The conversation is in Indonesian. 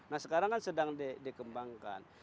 nah sekarang kan sedang dikembangkan